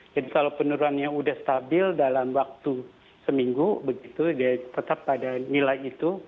jadi kalau penurunannya sudah stabil dalam waktu seminggu begitu tetap pada nilai itu